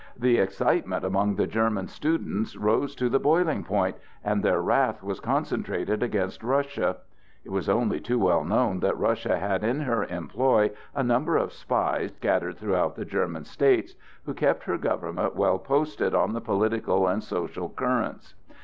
The excitement among the German students rose to the boiling point, and their wrath was concentrated against Russia. It was only too well known that Russia had in her employ a number of spies scattered throughout the German states, who kept her government well posted on the political and social currents.